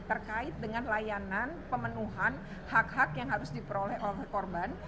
terkait dengan layanan pemenuhan hak hak yang harus diperoleh oleh korban